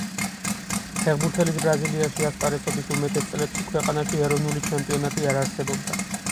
ფეხბურთელის ბრაზილიაში ასპარეზობის უმეტეს წლებში ქვეყანაში ეროვნული ჩემპიონატი არ არსებობდა.